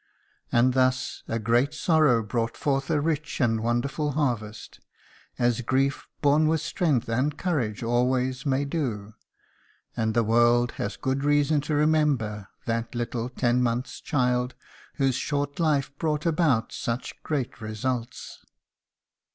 And thus a great sorrow brought forth a rich and wonderful harvest, as grief borne with strength and courage always may do; and the world has good reason to remember that little ten months' child whose short life brought about such great results.